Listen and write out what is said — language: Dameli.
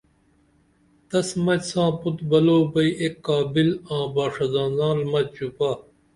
تس مچ ساں پُت بلو بئی اِک قابل آں باڜہ زانال مچ ژُپا